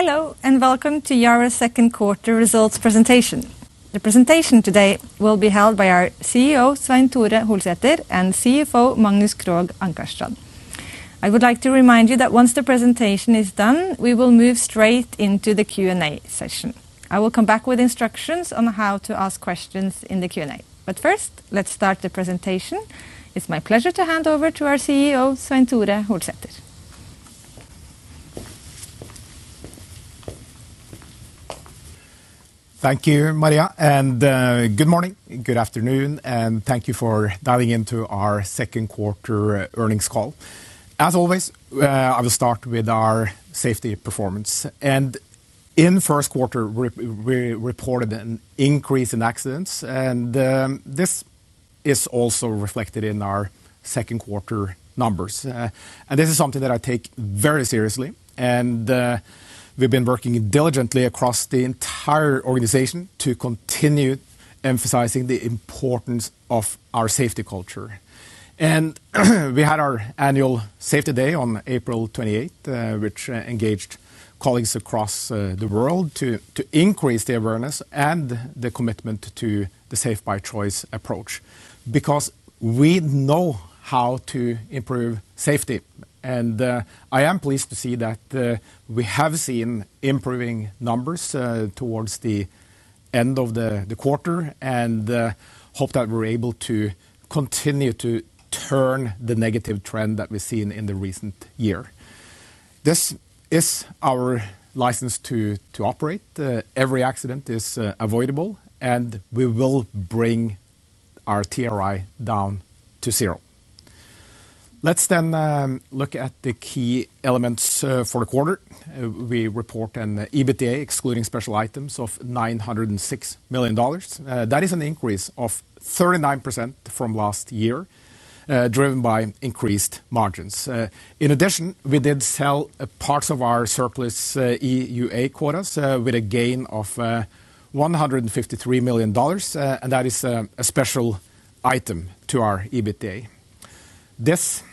Hello, welcome to Yara's second quarter results presentation. The presentation today will be held by our CEO, Svein Tore Holsether, and CFO, Magnus Krogh Ankarstrand. I would like to remind you that once the presentation is done, we will move straight into the Q&A session. I will come back with instructions on how to ask questions in the Q&A. First, let's start the presentation. It's my pleasure to hand over to our CEO, Svein Tore Holsether. Thank you, Maria, good morning, good afternoon, and thank you for dialing into our second quarter earnings call. As always, I will start with our safety performance. In the first quarter, we reported an increase in accidents, this is also reflected in our second quarter numbers. This is something that I take very seriously, and we've been working diligently across the entire organization to continue emphasizing the importance of our safety culture. We had our annual Safety Day on April 28th, which engaged colleagues across the world to increase the awareness and the commitment to the Safe by Choice approach because we know how to improve safety. I am pleased to see that we have seen improving numbers towards the end of the quarter and hope that we're able to continue to turn the negative trend that we've seen in the recent year. This is our license to operate. Every accident is avoidable, and we will bring our TRI down to zero. Let's look at the key elements for the quarter. We report an EBITDA, excluding special items, of $906 million. That is an increase of 39% from last year, driven by increased margins. In addition, we did sell parts of our surplus EUA quotas with a gain of $153 million, and that is a special item to our EBITDA. This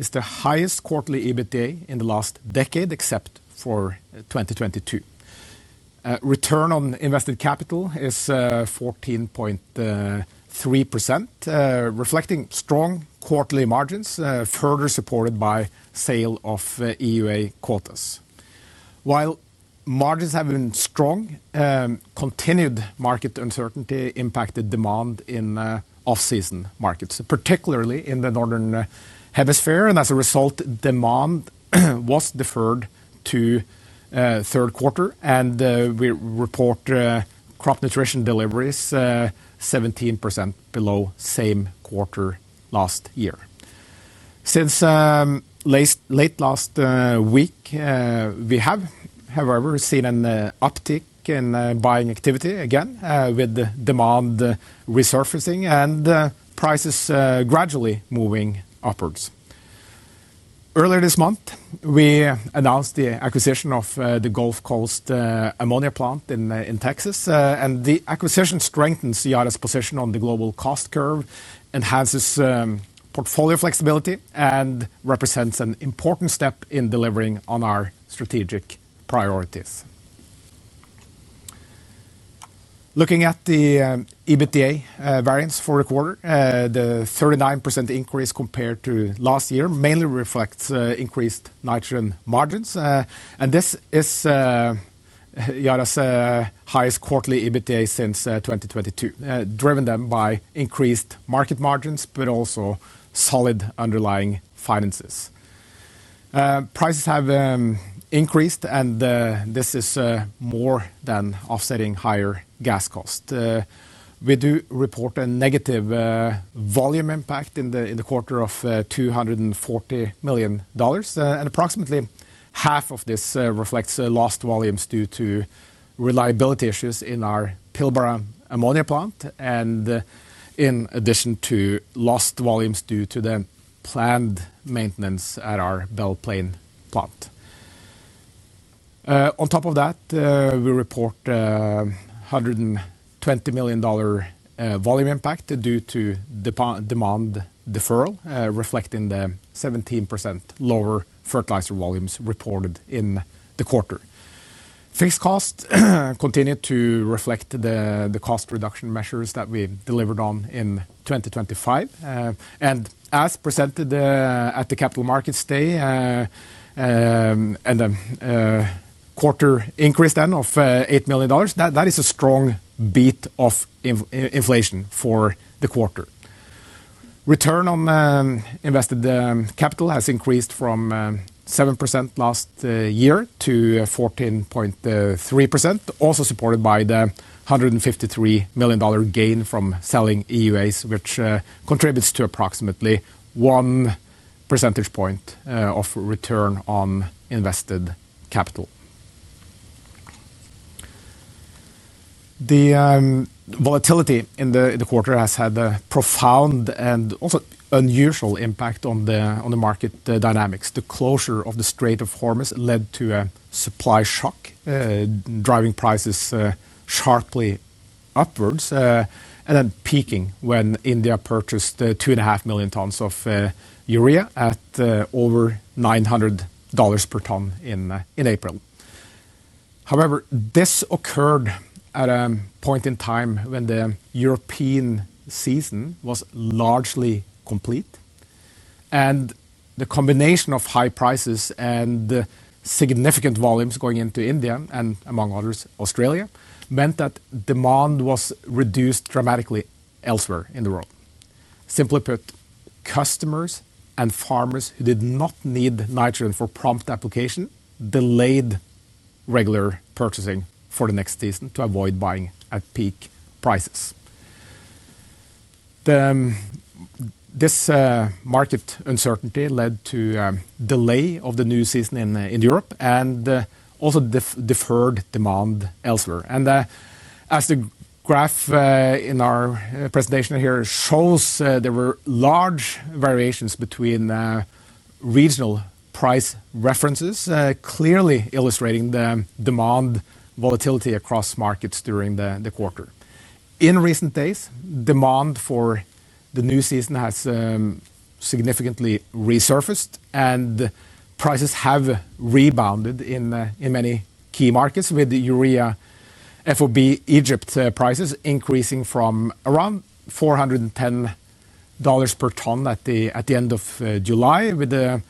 is the highest quarterly EBITDA in the last decade, except for 2022. Return on invested capital is 14.3%, reflecting strong quarterly margins, further supported by sale of EUA quotas. While margins have been strong, continued market uncertainty impacted demand in off-season markets, particularly in the Northern Hemisphere. As a result, demand was deferred to third quarter. We report crop nutrition deliveries 17% below same quarter last year. Since late last week, we have, however, seen an uptick in buying activity again, with demand resurfacing and prices gradually moving upwards. Earlier this month, we announced the acquisition of the Gulf Coast Ammonia plant in Texas. The acquisition strengthens Yara's position on the global cost curve, enhances portfolio flexibility, and represents an important step in delivering on our strategic priorities. Looking at the EBITDA variance for the quarter, the 39% increase compared to last year mainly reflects increased nitrogen margins. This is Yara's highest quarterly EBITDA since 2022, driven by increased market margins, but also solid underlying finances. Prices have increased, and this is more than offsetting higher gas cost. We do report a negative volume impact in the quarter of $240 million, and approximately half of this reflects lost volumes due to reliability issues in our Pilbara ammonia plant and in addition to lost volumes due to the planned maintenance at our Belle Plaine plant. On top of that, we report $120 million volume impact due to demand deferral, reflecting the 17% lower fertilizer volumes reported in the quarter. Fixed cost continued to reflect the cost reduction measures that we delivered on in 2025. As presented at the Capital Markets Day, and a quarter increase then of $8 million, that is a strong beat of inflation for the quarter. Return on invested capital has increased from 7% last year to 14.3%, also supported by the $153 million gain from selling EUAs, which contributes to approximately 1 percentage point of return on invested capital. The volatility in the quarter has had a profound and also unusual impact on the market dynamics. The closure of the Strait of Hormuz led to a supply shock, driving prices sharply upwards, and then peaking when India purchased 2.5 Million tons of urea at over $900 per ton in April. However, this occurred at a point in time when the European season was largely complete, and the combination of high prices and significant volumes going into India and, among others, Australia, meant that demand was reduced dramatically elsewhere in the world. Simply put, customers and farmers who did not need nitrogen for prompt application delayed regular purchasing for the next season to avoid buying at peak prices. This market uncertainty led to a delay of the new season in Europe and also deferred demand elsewhere. As the graph in our presentation here shows, there were large variations between regional price references, clearly illustrating the demand volatility across markets during the quarter. In recent days, demand for the new season has significantly resurfaced, and prices have rebounded in many key markets, with urea FOB Egypt prices increasing from around $410 per ton at the end of July, with the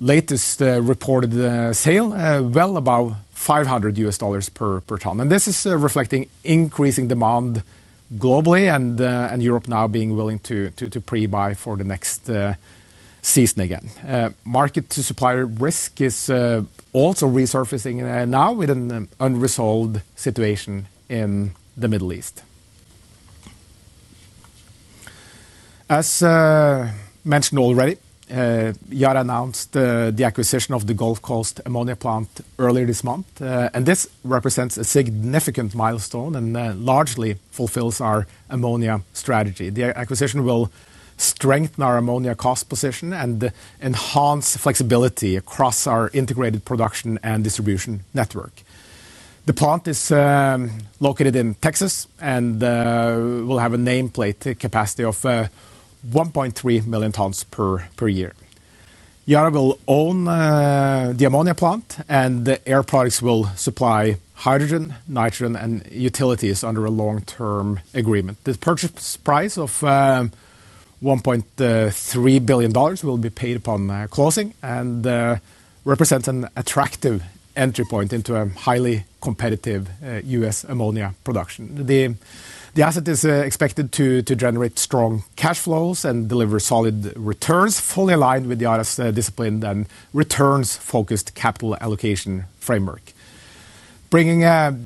latest reported sale well above $500 per ton. This is reflecting increasing demand globally and Europe now being willing to pre-buy for the next season again. Market to supplier risk is also resurfacing now with an unresolved situation in the Middle East. As mentioned already, Yara announced the acquisition of the Gulf Coast Ammonia plant earlier this month. This represents a significant milestone and largely fulfills our ammonia strategy. The acquisition will strengthen our ammonia cost position and enhance flexibility across our integrated production and distribution network. The plant is located in Texas and will have a nameplate capacity of 1.3 million tons per year. Yara will own the ammonia plant, and Air Products will supply hydrogen, nitrogen, and utilities under a long-term agreement. This purchase price of $1.3 billion will be paid upon closing and represents an attractive entry point into a highly competitive U.S. ammonia production. The asset is expected to generate strong cash flows and deliver solid returns, fully aligned with Yara's disciplined and returns-focused capital allocation framework. Bringing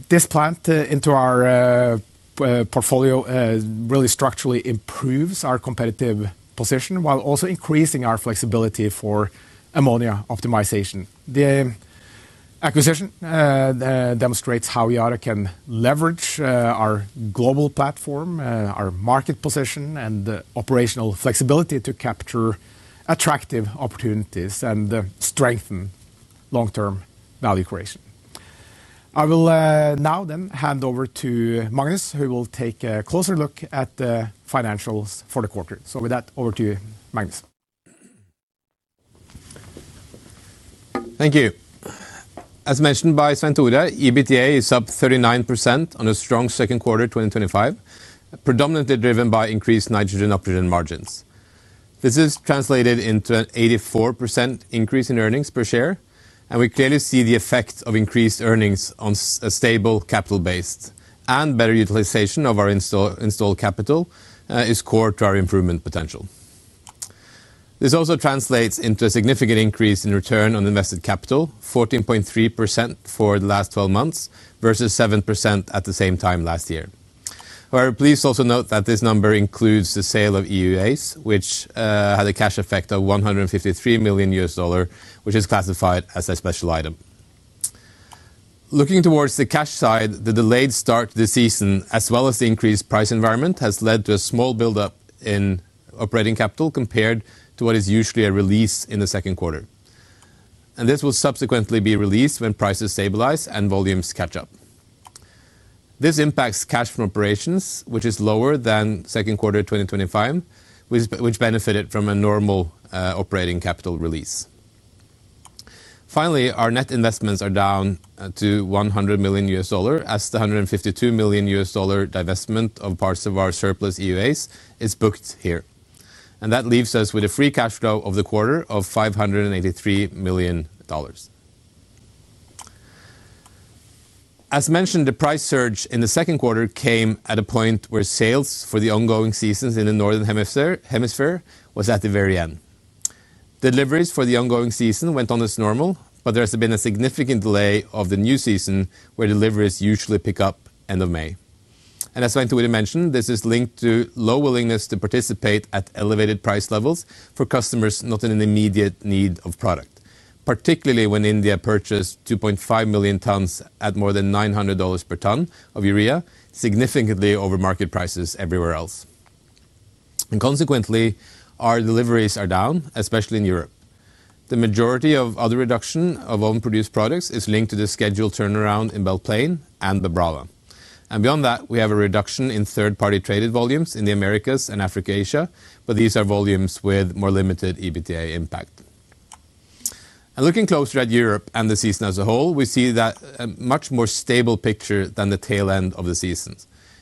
this plant into our portfolio really structurally improves our competitive position while also increasing our flexibility for ammonia optimization. The acquisition demonstrates how Yara can leverage our global platform, our market position, and operational flexibility to capture attractive opportunities and strengthen long-term value creation. I will now hand over to Magnus, who will take a closer look at the financials for the quarter. With that, over to you, Magnus. Thank you. As mentioned by Svein Tore, EBITDA is up 39% on a strong second quarter 2025, predominantly driven by increased nitrogen upstream margins. This is translated into an 84% increase in earnings per share, we clearly see the effect of increased earnings on a stable capital base, better utilization of our installed capital is core to our improvement potential. This also translates into a significant increase in return on invested capital, 14.3% for the last 12 months versus 7% at the same time last year. However, please also note that this number includes the sale of EUAs, which had a cash effect of $153 million, which is classified as a special item. Looking towards the cash side, the delayed start this season, as well as the increased price environment, has led to a small buildup in operating capital compared to what is usually a release in the second quarter. This will subsequently be released when prices stabilize and volumes catch up. This impacts cash from operations, which is lower than second quarter 2025, which benefited from a normal operating capital release. Finally, our net investments are down to $100 million as the $152 million divestment of parts of our surplus EUAs is booked here. That leaves us with a free cash flow of the quarter of $583 million. As mentioned, the price surge in the second quarter came at a point where sales for the ongoing seasons in the Northern Hemisphere was at the very end. Deliveries for the ongoing season went on as normal, there has been a significant delay of the new season where deliveries usually pick up end of May. As Svein Tore mentioned, this is linked to low willingness to participate at elevated price levels for customers not in an immediate need of product, particularly when India purchased 2.5 million tons at more than $900 per ton of urea, significantly over market prices everywhere else. Consequently, our deliveries are down, especially in Europe. The majority of other reduction of own produced products is linked to the scheduled turnaround in Belle Plaine and Babrala. Beyond that, we have a reduction in third-party traded volumes in the Americas and Africa/Asia, these are volumes with more limited EBITDA impact. Looking closer at Europe and the season as a whole, we see that a much more stable picture than the tail end of the season.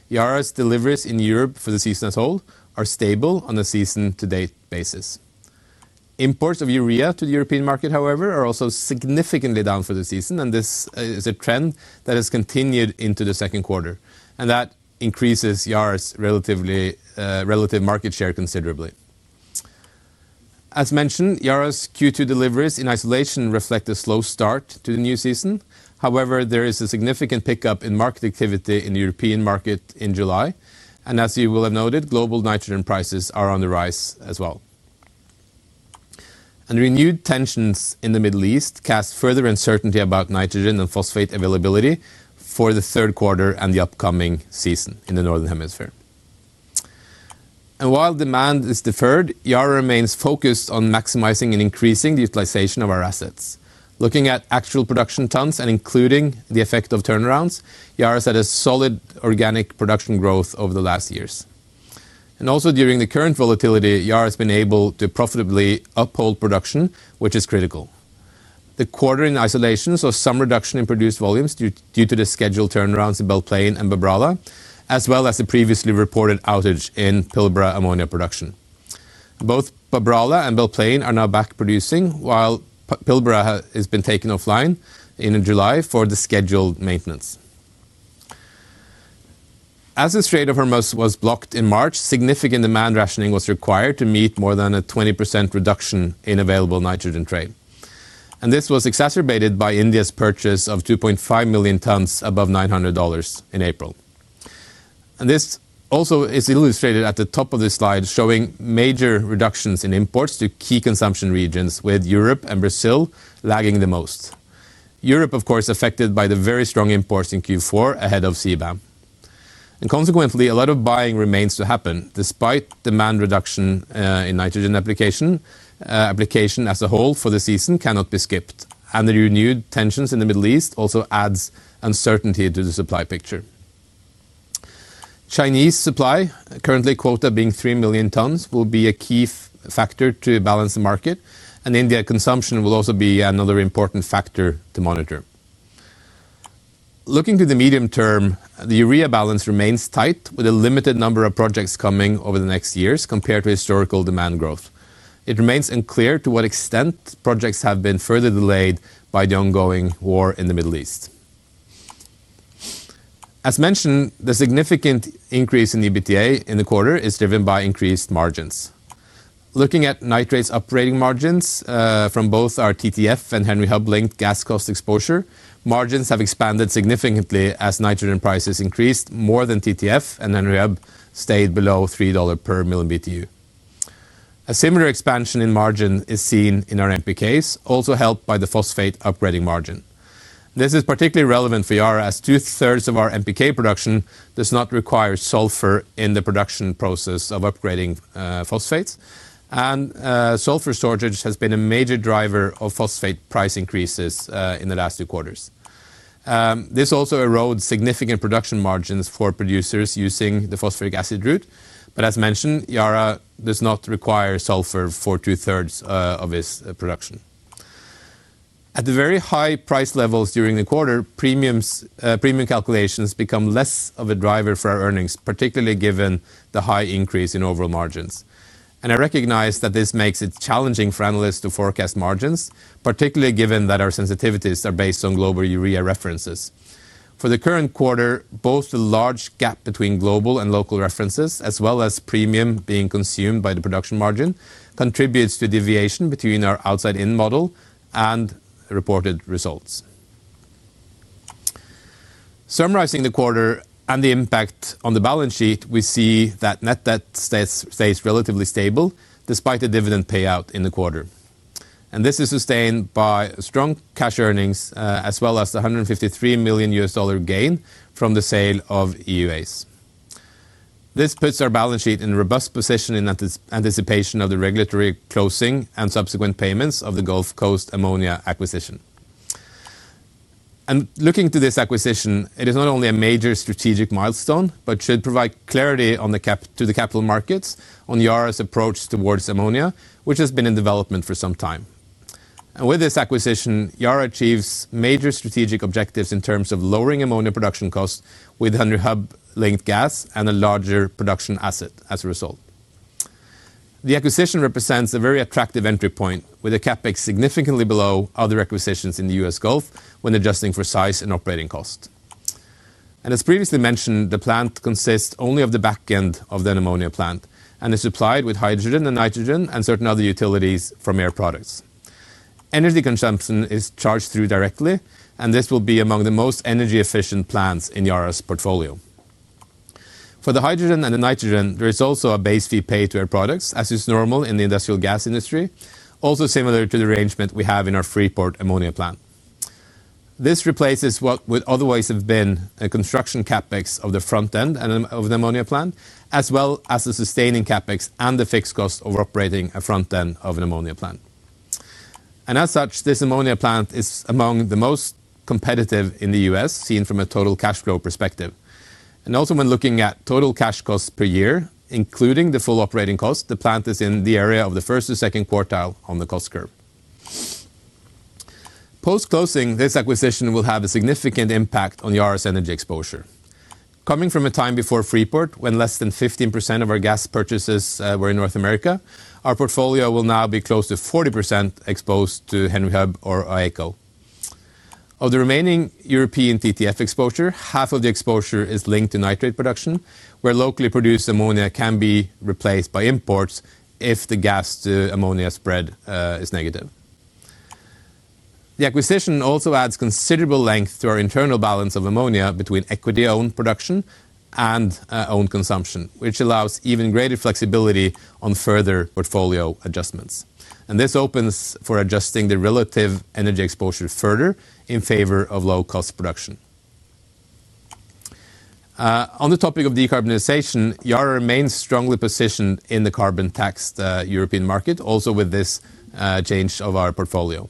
Yara's deliveries in Europe for the season as whole are stable on the season-to-date basis. Imports of urea to the European market, however, are also significantly down for the season. This is a trend that has continued into the second quarter, and that increases Yara's relative market share considerably. As mentioned, Yara's Q2 deliveries in isolation reflect a slow start to the new season. There is a significant pickup in market activity in the European market in July. As you will have noted, global nitrogen prices are on the rise as well. Renewed tensions in the Middle East cast further uncertainty about nitrogen and phosphate availability for the third quarter and the upcoming season in the Northern Hemisphere. While demand is deferred, Yara remains focused on maximizing and increasing the utilization of our assets. Looking at actual production tons and including the effect of turnarounds, Yara has had a solid organic production growth over the last years. Also during the current volatility, Yara has been able to profitably uphold production, which is critical. The quarter in isolation saw some reduction in produced volumes due to the scheduled turnarounds in Belle Plaine and Babrala, as well as the previously reported outage in Pilbara ammonia production. Both Babrala and Belle Plaine are now back producing, while Pilbara has been taken offline in July for the scheduled maintenance. As the Strait of Hormuz was blocked in March, significant demand rationing was required to meet more than a 20% reduction in available nitrogen trade. This was exacerbated by India's purchase of 2.5 million tons above $900 in April. This also is illustrated at the top of this slide, showing major reductions in imports to key consumption regions with Europe and Brazil lagging the most. Europe, of course, affected by the very strong imports in Q4 ahead of CBAM. Consequently, a lot of buying remains to happen despite demand reduction in nitrogen application. Application as a whole for the season cannot be skipped, and the renewed tensions in the Middle East also adds uncertainty to the supply picture. Chinese supply, currently quota being 3 million tons, will be a key factor to balance the market. India consumption will also be another important factor to monitor. Looking to the medium term, the urea balance remains tight with a limited number of projects coming over the next years compared to historical demand growth. It remains unclear to what extent projects have been further delayed by the ongoing war in the Middle East. As mentioned, the significant increase in the EBITDA in the quarter is driven by increased margins. Looking at nitrates operating margins, from both our TTF and Henry Hub linked gas cost exposure, margins have expanded significantly as nitrogen prices increased more than TTF and Henry Hub stayed below $3 per MMBtu. A similar expansion in margin is seen in our NPKs, also helped by the phosphate upgrading margin. This is particularly relevant for Yara as 2/3 of our NPK production does not require sulfur in the production process of upgrading phosphates. Sulfur storage has been a major driver of phosphate price increases in the last two quarters. This also erodes significant production margins for producers using the phosphoric acid route. As mentioned, Yara does not require sulfur for 2/3 of its production. At the very high price levels during the quarter, premium calculations become less of a driver for our earnings, particularly given the high increase in overall margins. I recognize that this makes it challenging for analysts to forecast margins, particularly given that our sensitivities are based on global urea references. For the current quarter, both the large gap between global and local references, as well as premium being consumed by the production margin, contributes to deviation between our outside-in model and reported results. Summarizing the quarter and the impact on the balance sheet, we see that net debt stays relatively stable despite the dividend payout in the quarter. This is sustained by strong cash earnings, as well as the $153 million gain from the sale of EUAs. This puts our balance sheet in a robust position in anticipation of the regulatory closing and subsequent payments of the Gulf Coast Ammonia acquisition. Looking to this acquisition, it is not only a major strategic milestone, but should provide clarity to the capital markets on Yara's approach towards ammonia, which has been in development for some time. With this acquisition, Yara achieves major strategic objectives in terms of lowering ammonia production costs with Henry Hub linked gas and a larger production asset as a result. The acquisition represents a very attractive entry point with a CapEx significantly below other acquisitions in the U.S. Gulf when adjusting for size and operating cost. As previously mentioned, the plant consists only of the back end of the ammonia plant and is supplied with hydrogen and nitrogen and certain other utilities from Air Products. Energy consumption is charged through directly. This will be among the most energy efficient plants in Yara's portfolio. For the hydrogen and the nitrogen, there is also a base fee paid to Air Products, as is normal in the industrial gas industry, also similar to the arrangement we have in our Freeport ammonia plant. This replaces what would otherwise have been a construction CapEx of the front end of the ammonia plant, as well as the sustaining CapEx and the fixed cost of operating a front end of an ammonia plant. As such, this ammonia plant is among the most competitive in the U.S. seen from a total cash flow perspective. Also when looking at total cash costs per year, including the full operating cost, the plant is in the area of the first or second quartile on the cost curve. Post-closing, this acquisition will have a significant impact on Yara's energy exposure. Coming from a time before Freeport, when less than 15% of our gas purchases were in North America, our portfolio will now be close to 40% exposed to Henry Hub or AECO. Of the remaining European TTF exposure, half of the exposure is linked to nitrate production, where locally produced ammonia can be replaced by imports if the gas to ammonia spread is negative. The acquisition also adds considerable length to our internal balance of ammonia between equity owned production and owned consumption, which allows even greater flexibility on further portfolio adjustments. This opens for adjusting the relative energy exposure further in favor of low cost production. On the topic of decarbonization, Yara remains strongly positioned in the carbon taxed European market also with this change of our portfolio.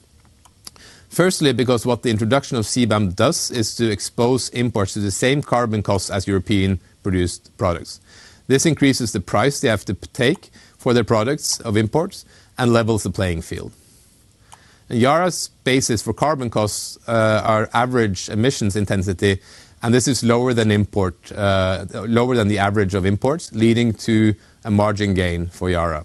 Firstly, because what the introduction of CBAM does is to expose imports to the same carbon cost as European produced products. This increases the price they have to take for their products of imports and levels the playing field. Yara's basis for carbon costs are average emissions intensity, and this is lower than the average of imports, leading to a margin gain for Yara.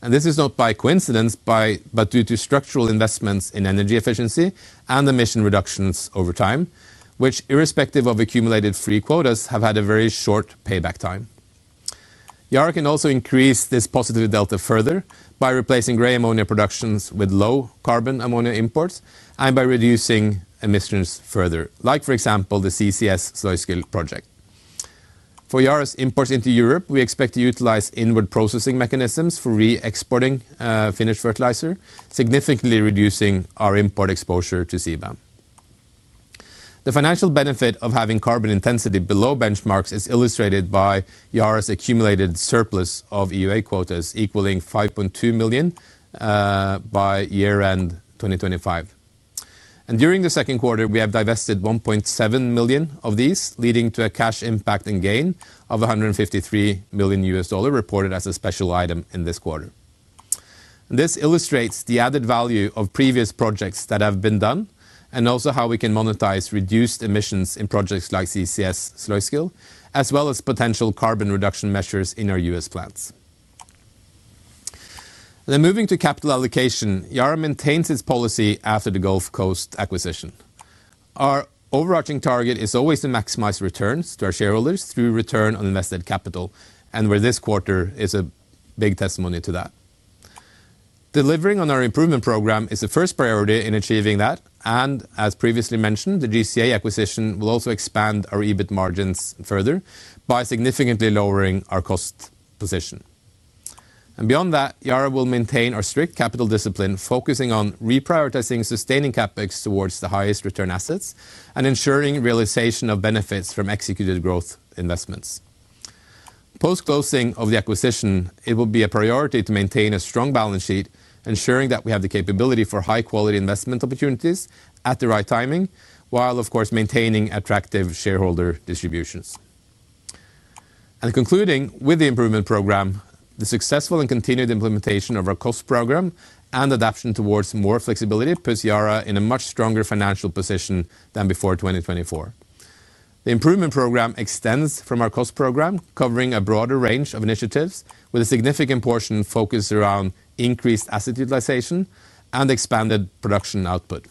This is not by coincidence, but due to structural investments in energy efficiency and emission reductions over time, which irrespective of accumulated free quotas, have had a very short payback time. Yara can also increase this positive delta further by replacing gray ammonia productions with low carbon ammonia imports and by reducing emissions further, like for example, the CCS Sluiskil project. For Yara's imports into Europe, we expect to utilize inward processing mechanisms for re-exporting finished fertilizer, significantly reducing our import exposure to CBAM. The financial benefit of having carbon intensity below benchmarks is illustrated by Yara's accumulated surplus of EUA quotas equaling 5.2 million by year-end 2025. During the second quarter, we have divested 1.7 million of these, leading to a cash impact and gain of $153 million reported as a special item in this quarter. This illustrates the added value of previous projects that have been done and also how we can monetize reduced emissions in projects like CCS Sluiskil, as well as potential carbon reduction measures in our U.S. plants. Moving to capital allocation, Yara maintains its policy after the Gulf Coast acquisition. Our overarching target is always to maximize returns to our shareholders through return on invested capital, and where this quarter is a big testimony to that. Delivering on our improvement program is the first priority in achieving that, and as previously mentioned, the GCA acquisition will also expand our EBIT margins further by significantly lowering our cost position. Beyond that, Yara will maintain our strict capital discipline, focusing on reprioritizing sustaining CapEx towards the highest return assets and ensuring realization of benefits from executed growth investments. Post-closing of the acquisition, it will be a priority to maintain a strong balance sheet, ensuring that we have the capability for high-quality investment opportunities at the right timing, while of course maintaining attractive shareholder distributions. Concluding with the improvement program, the successful and continued implementation of our cost program and adaptation towards more flexibility puts Yara in a much stronger financial position than before 2024. The improvement program extends from our cost program, covering a broader range of initiatives with a significant portion focused around increased asset utilization and expanded production output.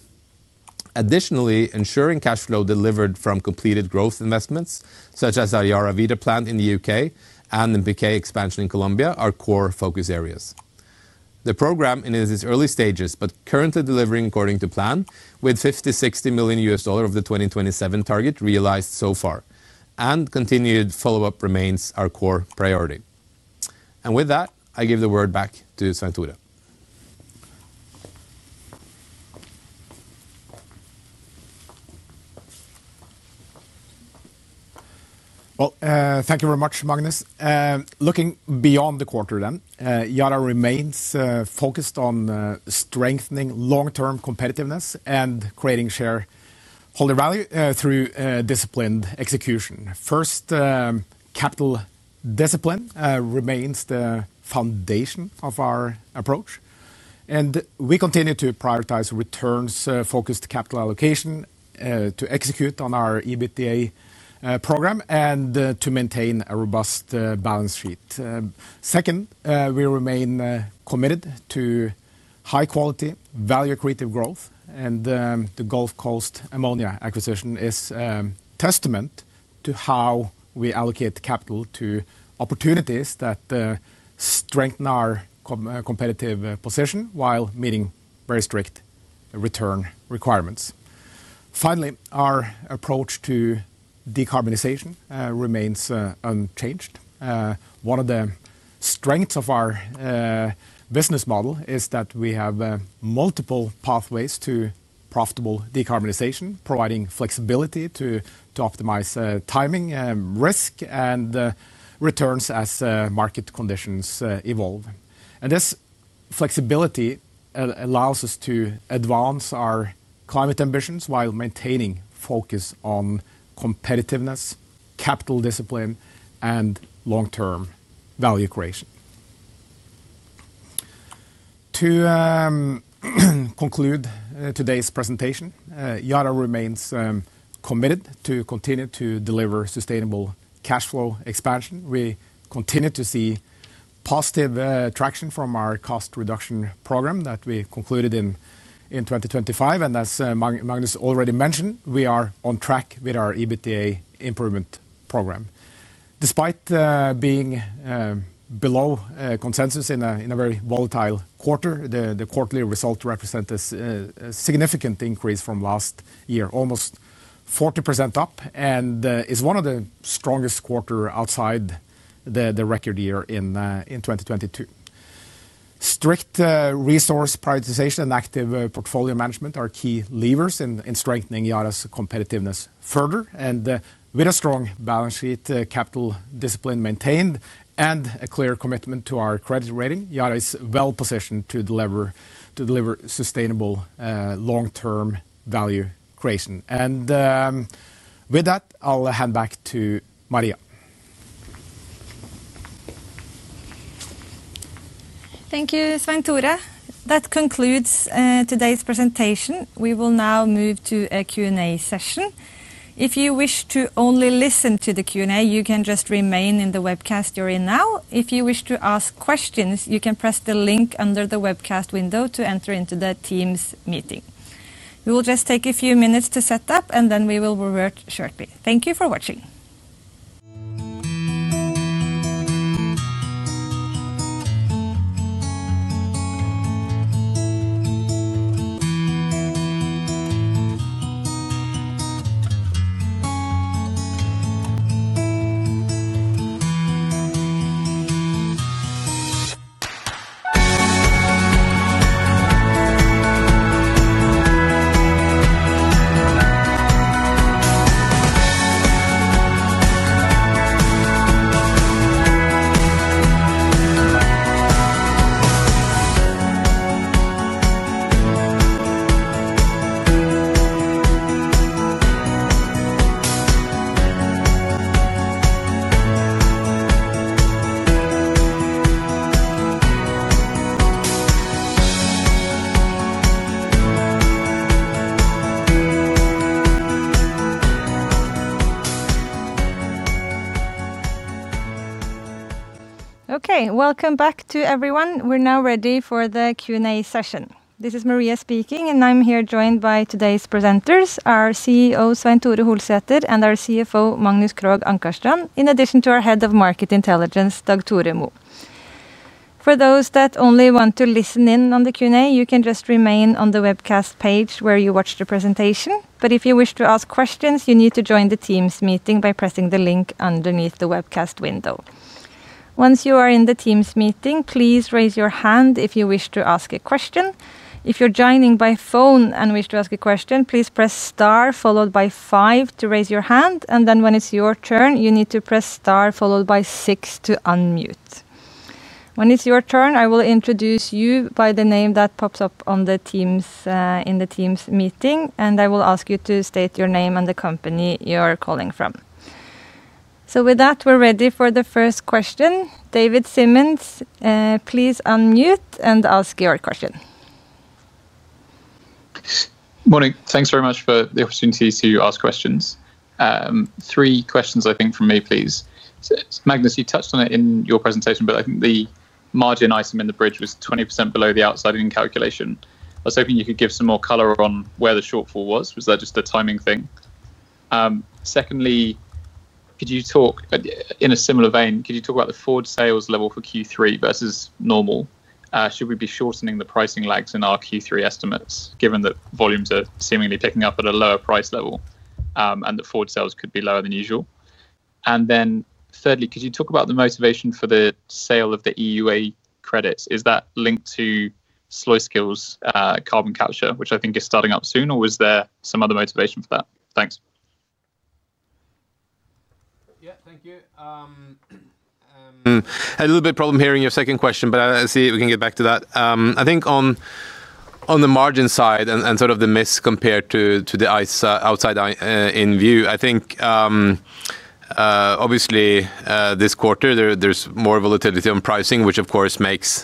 Additionally, ensuring cash flow delivered from completed growth investments such as our YaraVita plant in the U.K. and NPK expansion in Colombia are core focus areas. The program is in its early stages, but currently delivering according to plan with $560 million of the 2027 target realized so far, and continued follow-up remains our core priority. With that, I give the word back to Svein Tore. Well, thank you very much, Magnus. Looking beyond the quarter, Yara remains focused on strengthening long-term competitiveness and creating shareholder value through disciplined execution. First, capital discipline remains the foundation of our approach, and we continue to prioritize returns-focused capital allocation to execute on our EBITDA program and to maintain a robust balance sheet. Second, we remain committed to high quality, value creative growth, the Gulf Coast Ammonia acquisition is a testament to how we allocate capital to opportunities that strengthen our competitive position while meeting very strict return requirements. Finally, our approach to decarbonization remains unchanged. One of the strengths of our business model is that we have multiple pathways to profitable decarbonization, providing flexibility to optimize timing and risk, and returns as market conditions evolve. This flexibility allows us to advance our climate ambitions while maintaining focus on competitiveness, capital discipline, and long-term value creation. To conclude today's presentation, Yara remains committed to continue to deliver sustainable cash flow expansion. We continue to see positive traction from our cost reduction program that we concluded in 2025. As Magnus already mentioned, we are on track with our EBITDA improvement program. Despite being below consensus in a very volatile quarter, the quarterly result represents a significant increase from last year, almost 40% up, and is one of the strongest quarters outside the record year in 2022. Strict resource prioritization and active portfolio management are key levers in strengthening Yara's competitiveness further. With a strong balance sheet, capital discipline maintained, and a clear commitment to our credit rating, Yara is well-positioned to deliver sustainable long-term value creation. With that, I'll hand back to Maria. Thank you, Svein Tore. That concludes today's presentation. We will now move to a Q&A session. If you wish to only listen to the Q&A, you can just remain in the webcast you're in now. If you wish to ask questions, you can press the link under the webcast window to enter into the Teams meeting. We will just take a few minutes to set up, we will revert shortly. Thank you for watching. Okay. Welcome back to everyone. We're now ready for the Q&A session. This is Maria speaking, and I'm here joined by today's presenters, our CEO, Svein Tore Holsether, and our CFO, Magnus Krogh Ankarstrand, in addition to our Head of Market Intelligence, Dag Tore Mo. For those that only want to listen in on the Q&A, you can just remain on the webcast page where you watched the presentation. If you wish to ask questions, you need to join the Teams meeting by pressing the link underneath the webcast window. Once you are in the Teams meeting, please raise your hand if you wish to ask a question. If you're joining by phone and wish to ask a question, please press star followed by five to raise your hand, when it's your turn, you need to press star followed by six to unmute. When it's your turn, I will introduce you by the name that pops up in the Teams meeting, and I will ask you to state your name and the company you're calling from. With that, we're ready for the first question. David Symonds, please unmute and ask your question. Morning. Thanks very much for the opportunity to ask questions. Three questions, I think from me, please. Magnus, you touched on it in your presentation, but I think the margin item in the bridge was 20% below the outside-in calculation. I was hoping you could give some more color on where the shortfall was. Was that just a timing thing? Secondly, in a similar vein, could you talk about the forward sales level for Q3 versus normal? Should we be shortening the pricing lags in our Q3 estimates given that volumes are seemingly picking up at a lower price level, and that forward sales could be lower than usual? Thirdly, could you talk about the motivation for the sale of the EUA credits? Is that linked to Sluiskil carbon capture, which I think is starting up soon, or was there some other motivation for that? Thanks. Yeah. Thank you. Had a little bit of problem hearing your second question, but I'll see if we can get back to that. I think on the margin side and sort of the miss compared to the outside in view, obviously, this quarter, there's more volatility on pricing, which of course makes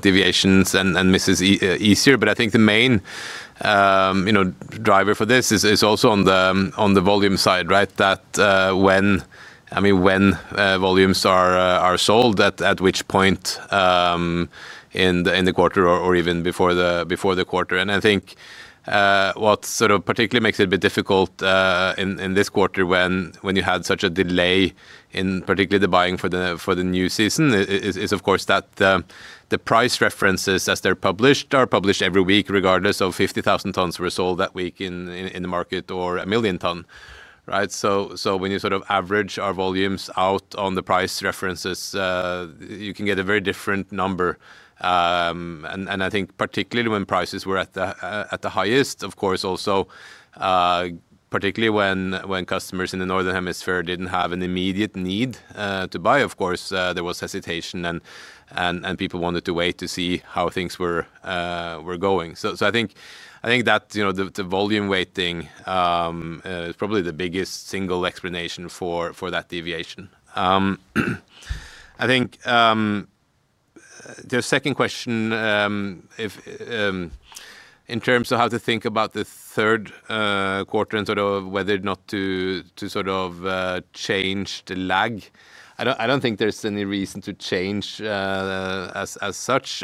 deviations and misses easier. I think the main driver for this is also on the volume side, right? That when volumes are sold, at which point in the quarter or even before the quarter in. What particularly makes it a bit difficult in this quarter when you had such a delay in particularly the buying for the new season is, of course, that the price references, as they're published, are published every week, regardless of 50,000 tons were sold that week in the market or 1 million tons. When you average our volumes out on the price references, you can get a very different number. I think particularly when prices were at the highest, of course, also particularly when customers in the Northern Hemisphere didn't have an immediate need to buy, of course, there was hesitation, and people wanted to wait to see how things were going. I think that the volume weighting is probably the biggest single explanation for that deviation. I think your second question, in terms of how to think about the third quarter and sort of whether or not to change the lag, I don't think there's any reason to change as such.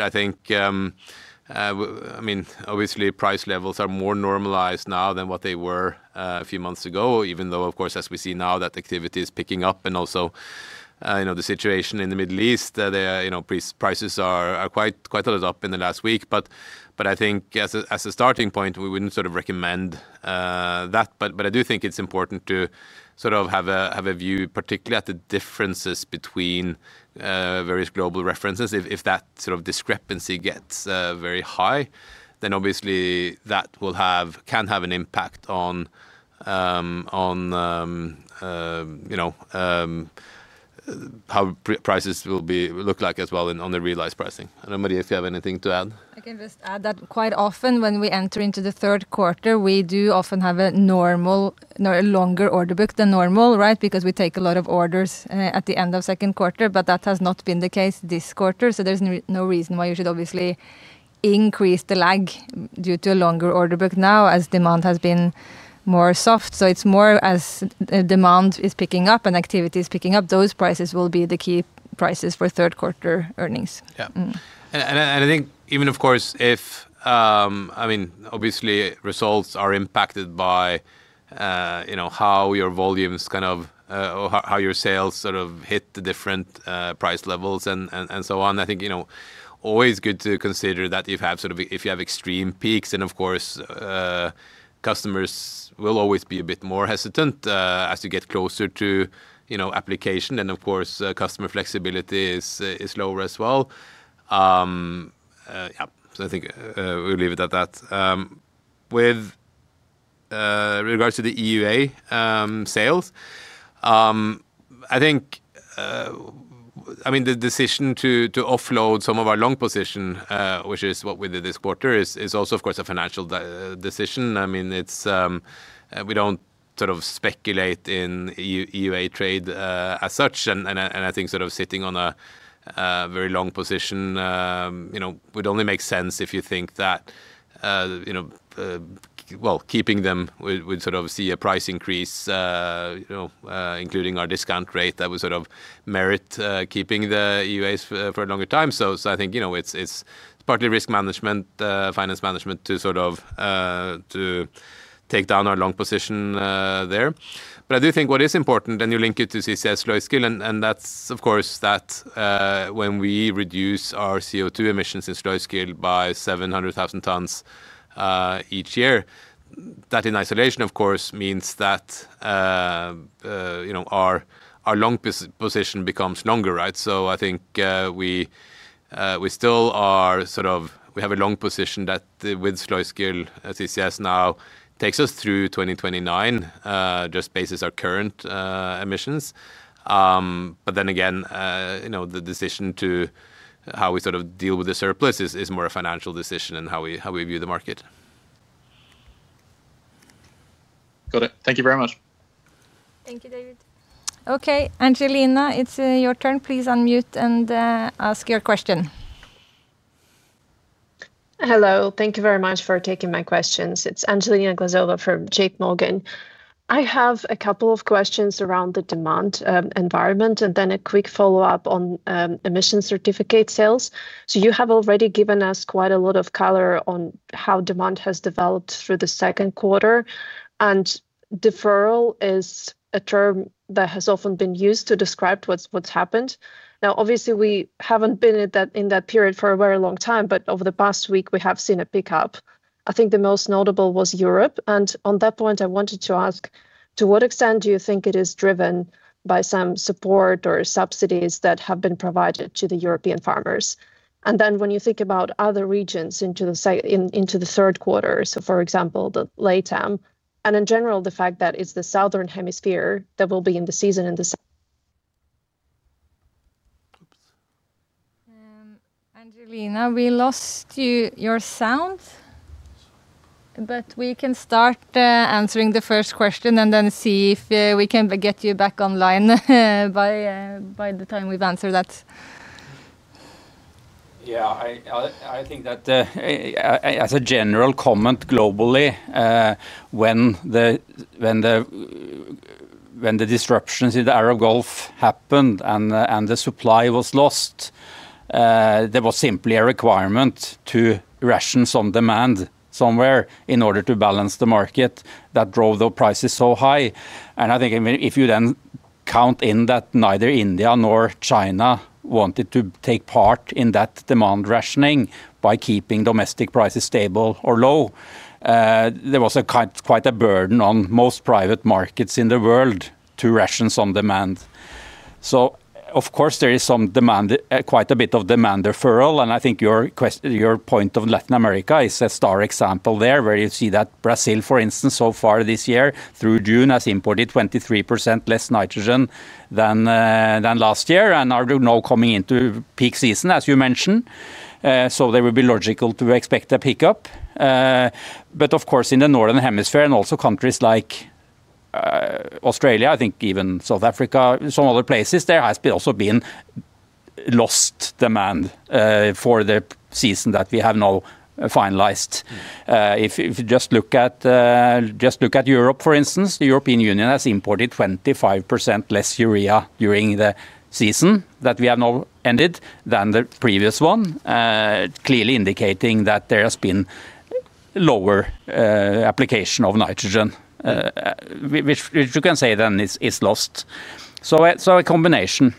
Obviously, price levels are more normalized now than what they were a few months ago, even though, of course, as we see now, that activity is picking up, and also the situation in the Middle East, the prices are quite a lot up in the last week. I think as a starting point, we wouldn't recommend that. I do think it's important to have a view, particularly at the differences between various global references. If that discrepancy gets very high, obviously that can have an impact on how prices will look like as well, and on the realized pricing. I don't know, Maria, if you have anything to add. I can just add that quite often when we enter into the third quarter, we do often have a longer order book than normal. We take a lot of orders at the end of second quarter, but that has not been the case this quarter. There's no reason why you should obviously increase the lag due to a longer order book now, as demand has been more soft. It's more as demand is picking up and activity is picking up, those prices will be the key prices for third quarter earnings. I think even, of course, obviously results are impacted by how your sales hit the different price levels and so on. I think always good to consider that if you have extreme peaks and of course, customers will always be a bit more hesitant as you get closer to application. Of course, customer flexibility is lower as well. I think we'll leave it at that. With regards to the EUA sales, the decision to offload some of our long position, which is what we did this quarter, is also, of course, a financial decision. We don't speculate in EUA trade as such, and I think sitting on a very long position would only make sense if you think that keeping them would see a price increase, including our discount rate that would merit keeping the EUAs for a longer time. I think it's partly risk management, finance management to take down our long position there. I do think what is important, and you link it to CCS Sluiskil, and that's, of course, that when we reduce our CO2 emissions in Sluiskil by 700,000 tons each year, that in isolation, of course, means that our long position becomes longer. I think we have a long position that with Sluiskil as CCS now takes us through 2029, just bases our current emissions. Then again the decision to how we deal with the surplus is more a financial decision and how we view the market. Got it. Thank you very much. Thank you, David. Okay, Angelina, it's your turn. Please unmute and ask your question. Hello. Thank you very much for taking my questions. It's Angelina Glazova from JPMorgan. I have a couple of questions around the demand environment, then a quick follow-up on emission certificate sales. You have already given us quite a lot of color on how demand has developed through the second quarter, and deferral is a term that has often been used to describe what's happened. Now, obviously, we haven't been in that period for a very long time, but over the past week, we have seen a pickup. I think the most notable was Europe. On that point, I wanted to ask, to what extent do you think it is driven by some support or subsidies that have been provided to the European farmers? When you think about other regions into the third quarter, for example, the LATAM, in general, the fact that it's the Southern Hemisphere that will be in the season in the s Oops. Angelina, we lost your sound. We can start answering the first question then see if we can get you back online by the time we've answered that. Yeah. I think that as a general comment globally, when the When the disruptions in the Arab Gulf happened and the supply was lost, there was simply a requirement to ration some demand somewhere in order to balance the market that drove the prices so high. I think if you then count in that neither India nor China wanted to take part in that demand rationing by keeping domestic prices stable or low, there was quite a burden on most private markets in the world to ration some demand. Of course there is quite a bit of demand deferral, and I think your point of Latin America is a star example there, where you see that Brazil, for instance, so far this year through June, has imported 23% less nitrogen than last year, and are now coming into peak season, as you mentioned. It would be logical to expect a pickup. Of course, in the Northern Hemisphere, and also countries like Australia, I think even South Africa, some other places, there has also been lost demand for the season that we have now finalized. If you just look at Europe, for instance, the European Union has imported 25% less urea during the season that we have now ended than the previous one, clearly indicating that there has been lower application of nitrogen, which you can say then is lost. A combination.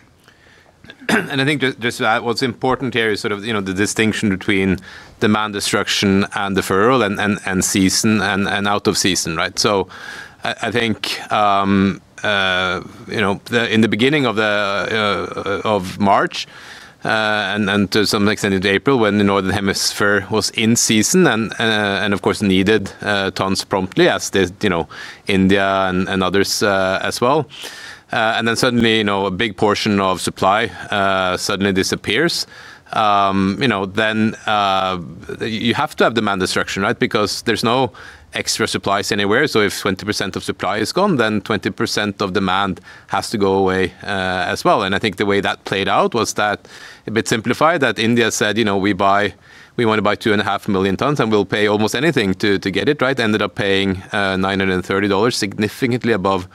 I think just to add, what's important here is the distinction between demand destruction and deferral, and season and out of season, right? I think, in the beginning of March and to some extent into April, when the Northern Hemisphere was in season and of course needed tons promptly, as did India and others as well. Then suddenly, a big portion of supply suddenly disappears. You have to have demand destruction, right? Because there's no extra supplies anywhere. If 20% of supply is gone, then 20% of demand has to go away as well. I think the way that played out was that, a bit simplified, that India said, "We want to buy 2.5 Million tons, and we'll pay almost anything to get it," right? Ended up paying $930, significantly above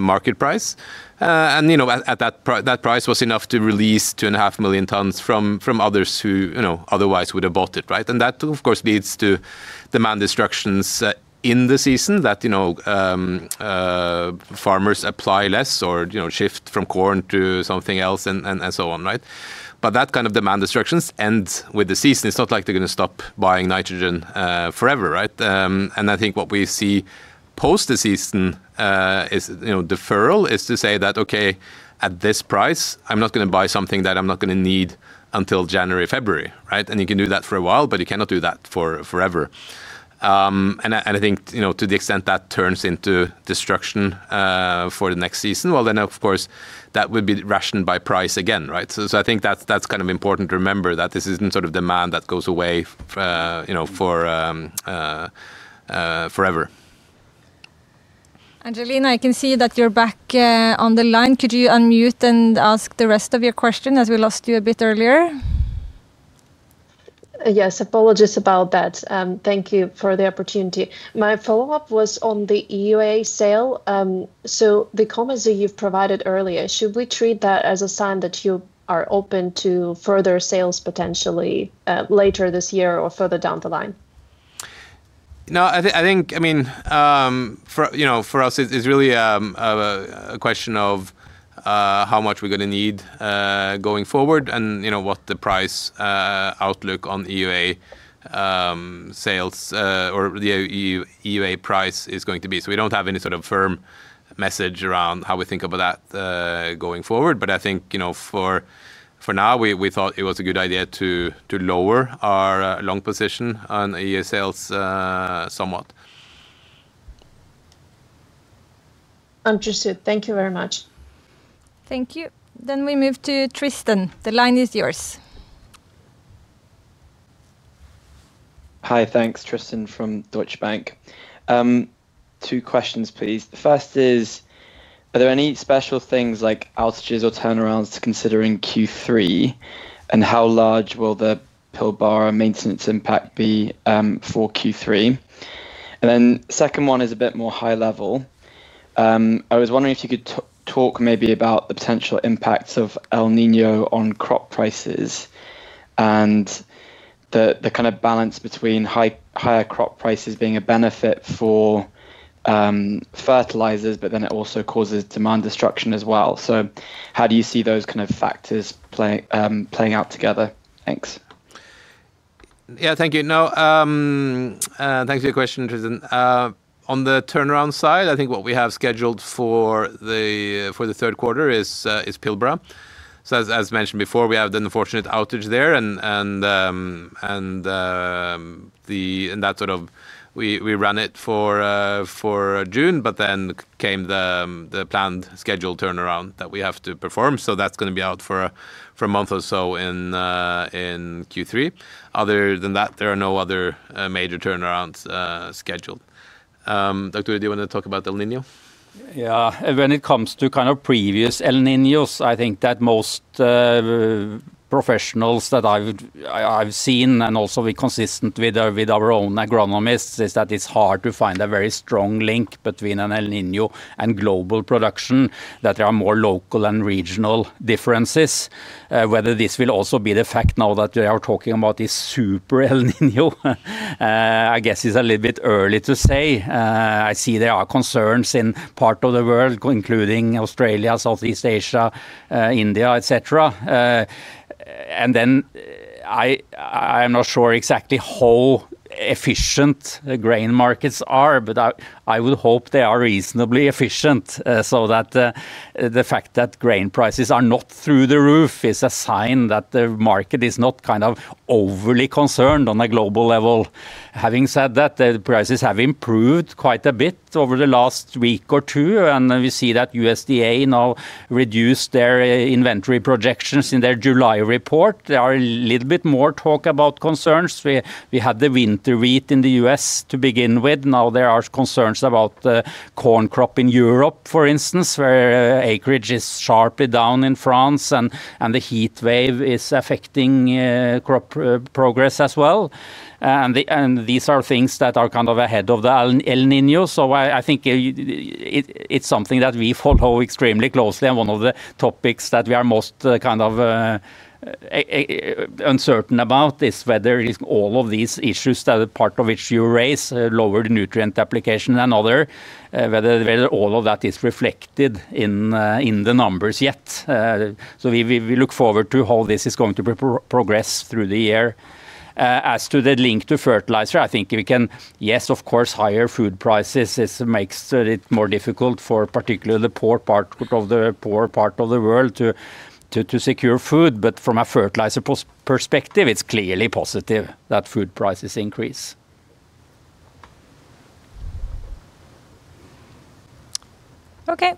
market price. That price was enough to release 2.5 million tons from others who otherwise would have bought it, right? That, of course, leads to demand destructions in the season that farmers apply less or shift from corn to something else, and so on, right? That kind of demand destructions end with the season. It's not like they're going to stop buying nitrogen forever, right? I think what we see post the season is deferral, is to say that, "Okay, at this price, I'm not going to buy something that I'm not going to need until January, February." Right? You can do that for a while, but you cannot do that forever. I think, to the extent that turns into destruction for the next season, well then, of course that would be rationed by price again, right? I think that's kind of important to remember that this isn't sort of demand that goes away forever. Angelina, I can see that you're back on the line. Could you unmute and ask the rest of your question, as we lost you a bit earlier? Yes. Apologies about that. Thank you for the opportunity. My follow-up was on the EUA sale. The comments that you've provided earlier, should we treat that as a sign that you are open to further sales potentially later this year, or further down the line? I think for us, it's really a question of how much we're going to need going forward and what the price outlook on EUA sales or the EUA price is going to be. We don't have any sort of firm message around how we think about that going forward. I think for now, we thought it was a good idea to lower our long position on EUA sales somewhat. Understood. Thank you very much. Thank you. We move to Tristan. The line is yours. Hi. Thanks. Tristan from Deutsche Bank. Two questions, please. The first is, are there any special things like outages or turnarounds to consider in Q3? How large will the Pilbara maintenance impact be for Q3? Second one is a bit more high level. I was wondering if you could talk maybe about the potential impacts of El Niño on crop prices, and the kind of balance between higher crop prices being a benefit for fertilizers, but then it also causes demand destruction as well. How do you see those kind of factors playing out together? Thanks. Yeah. Thank you. Thanks for your question, Tristan. On the turnaround side, I think what we have scheduled for the third quarter is Pilbara. As mentioned before, we had an unfortunate outage there, and we ran it for June, but then came the planned scheduled turnaround that we have to perform. That's going to be out for a month or so in Q3. Other than that, there are no other major turnarounds scheduled. Dag Tore, do you want to talk about El Niño? Yeah. When it comes to previous El Niños, I think that most professionals that I've seen, and also be consistent with our own agronomists, is that it's hard to find a very strong link between an El Niño and global production, that there are more local and regional differences. Whether this will also be the fact now that we are talking about this super El Niño, I guess it's a little bit early to say. I see there are concerns in part of the world, including Australia, Southeast Asia, India, et cetera. I'm not sure exactly how efficient grain markets are, but I would hope they are reasonably efficient, so that the fact that grain prices are not through the roof is a sign that the market is not overly concerned on a global level. Having said that, the prices have improved quite a bit over the last week or two, and we see that USDA now reduced their inventory projections in their July report. There are a little bit more talk about concerns. We had the winter wheat in the U.S. to begin with. Now there are concerns about the corn crop in Europe, for instance, where acreage is sharply down in France, and the heat wave is affecting crop progress as well. These are things that are ahead of the El Niño. I think it's something that we follow extremely closely, and one of the topics that we are most uncertain about is whether all of these issues that are part of issue raised, lower nutrient application and other, whether all of that is reflected in the numbers yet. We look forward to how this is going to progress through the year. As to the link to fertilizer, I think if we can, yes, of course, higher food prices makes it more difficult for particular the poor part of the world to secure food. From a fertilizer perspective, it's clearly positive that food prices increase. Okay.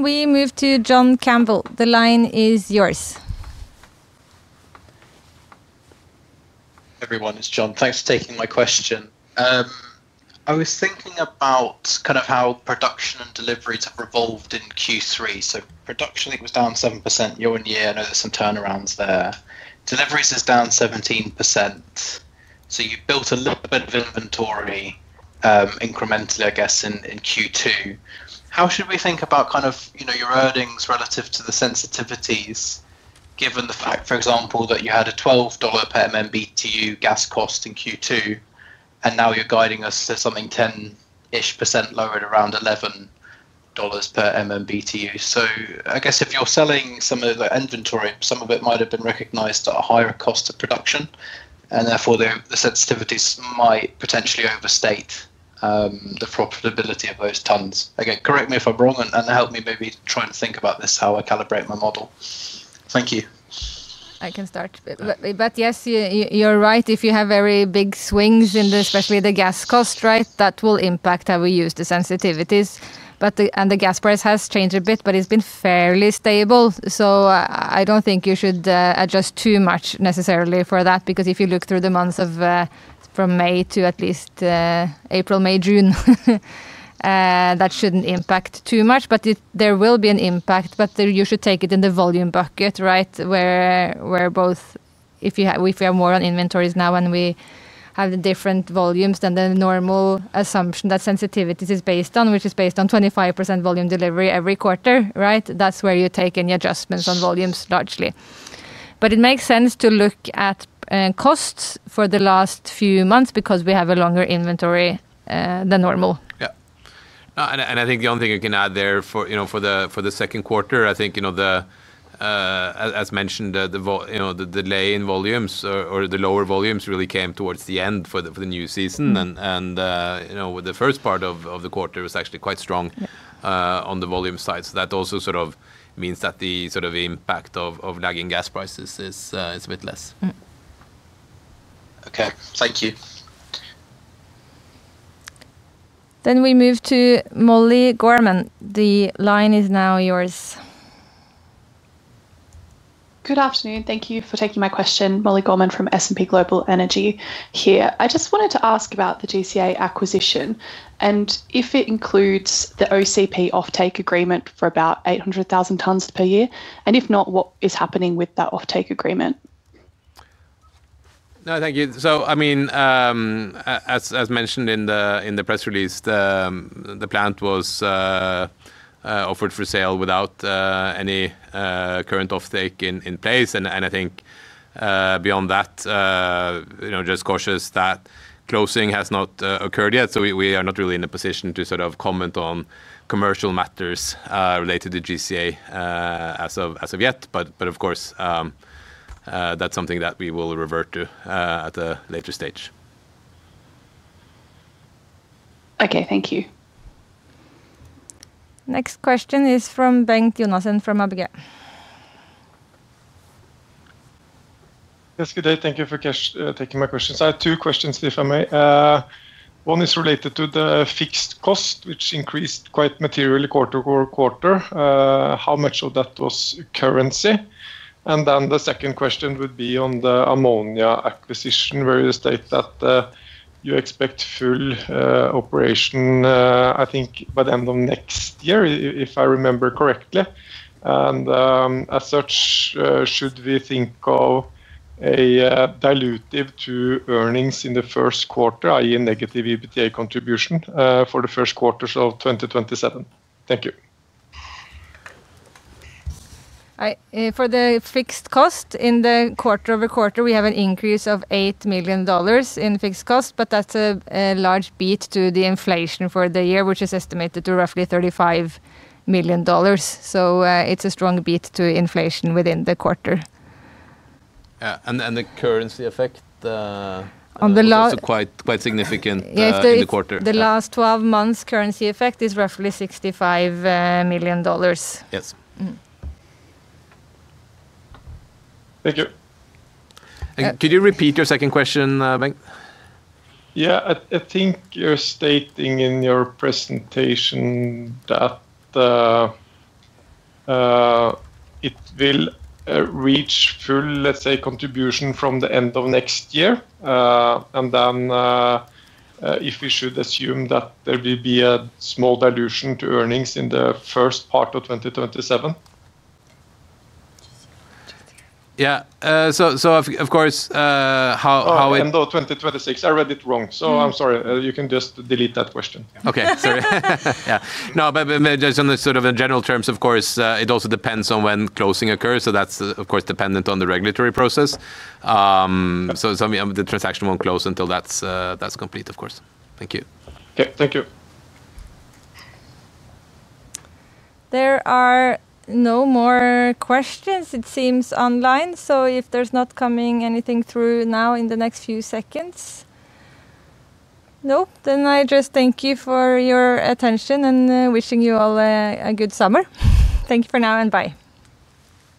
We move to John Campbell. The line is yours. Everyone, it's John. Thanks for taking my question. I was thinking about how production and deliveries have revolved in Q3. Production, I think it was down 7% year-on-year. I know there's some turnarounds there. Deliveries is down 17%. You built a little bit of inventory, incrementally, I guess, in Q2. How should we think about your earnings relative to the sensitivities, given the fact, for example, that you had a $12 per MMBtu gas cost in Q2, and now you're guiding us to something 10-ish% lower at around $11 per MMBtu. I guess if you're selling some of the inventory, some of it might have been recognized at a higher cost of production, and therefore the sensitivities might potentially overstate the profitability of those tons. Again, correct me if I'm wrong, and help me maybe try and think about this, how I calibrate my model. Thank you. I can start. Yes, you're right. If you have very big swings in especially the gas cost, that will impact how we use the sensitivities. The gas price has changed a bit, it's been fairly stable, I don't think you should adjust too much necessarily for that, because if you look through the months from May to at least April, May, June, that shouldn't impact too much. There will be an impact, you should take it in the volume bucket, where if we have more on inventories now and we have the different volumes than the normal assumption that sensitivities is based on, which is based on 25% volume delivery every quarter. That's where you take any adjustments on volumes largely. It makes sense to look at costs for the last few months because we have a longer inventory than normal. I think the only thing I can add there for the second quarter, I think as mentioned, the delay in volumes or the lower volumes really came towards the end for the new season. The first part of the quarter was actually quite strong on the volume side. That also means that the impact of lagging gas prices is a bit less. Okay. Thank you. We move to Mollie Gorman. The line is now yours. Good afternoon. Thank you for taking my question. Mollie Gorman from S&P Global Energy here. I just wanted to ask about the GCA acquisition and if it includes the OCP offtake agreement for about 800,000 tons per year, if not, what is happening with that offtake agreement? As mentioned in the press release, the plant was offered for sale without any current offtake in place, and I think beyond that, just cautious that closing has not occurred yet. We are not really in a position to comment on commercial matters related to GCA as of yet. Of course, that's something that we will revert to at a later stage. Okay, thank you. Next question is from Bengt Jonassen from ABG. Yes, good day. Thank you for taking my questions. I have two questions, if I may. One is related to the fixed cost, which increased quite materially quarter-over-quarter. How much of that was currency? The second question would be on the ammonia acquisition, where you state that you expect full operation, I think, by the end of next year, if I remember correctly. As such, should we think of a dilutive to earnings in the first quarter, i.e. negative EBITDA contribution for the first quarters of 2027? Thank you. For the fixed cost in the quarter-over-quarter, we have an increase of $8 million in fixed cost. That's a large beat to the inflation for the year, which is estimated to roughly $35 million. It's a strong beat to inflation within the quarter. Yeah. The currency effect- On the last- Also quite significant in the quarter. Yes. The last 12 months currency effect is roughly $65 million. Yes. Thank you. Could you repeat your second question, Bengt? Yeah. I think you're stating in your presentation that it will reach full, let's say, contribution from the end of next year. If we should assume that there will be a small dilution to earnings in the first part of 2027. Yeah. Of course. Oh, end of 2026. I read it wrong. I'm sorry. You can just delete that question. Okay. Sorry. Yeah. Just in general terms, of course, it also depends on when closing occurs. That's, of course, dependent on the regulatory process. The transaction won't close until that's complete, of course. Thank you. Okay. Thank you. There are no more questions it seems online. If there's not coming anything through now in the next few seconds No? Then I just thank you for your attention and wishing you all a good summer. Thank you for now, and bye.